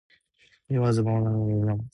He was buried at Whippingham.